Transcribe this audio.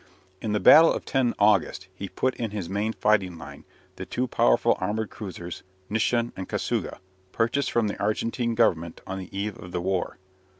In the battle of 10 August he put in his main fighting line the two powerful armoured cruisers "Nisshin" and "Kasuga," purchased from the Argentine Government on the eve of the war.